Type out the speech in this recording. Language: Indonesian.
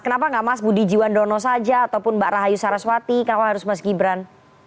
kenapa nggak mas budi jiwandono saja ataupun mbak rahayu saraswati kenapa harus mas gibran